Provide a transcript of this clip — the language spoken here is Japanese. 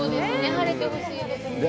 晴れてほしいですね。